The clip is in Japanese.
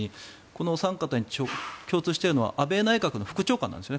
このお三方に共通しているのは安倍内閣の副長官なんです。